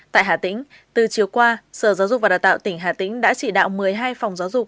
tại hà tĩnh từ chiều qua sở giáo dục và đào tạo tỉnh hà tĩnh đã chỉ đạo một mươi hai phòng giáo dục